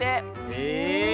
へえ。